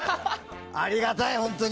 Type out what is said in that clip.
ありがたい、本当に。